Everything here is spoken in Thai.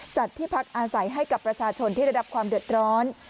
จัดที่พักอาศัยให้กับประชาชนที่ได้รับความเดือดร้อน